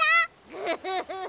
グフフフ。